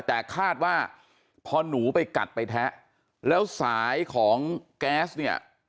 แต่คาดว่าพอหนูไปกัดไปแทะแล้วสายของแก๊สเนี่ย